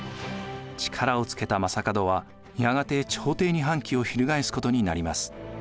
力をつけた将門はやがて朝廷に反旗を翻すことになります。